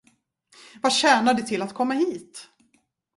Vad tjänar det till att komma hit?